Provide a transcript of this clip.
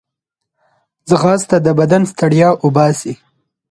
ځغاسته د بدن ستړیا وباسي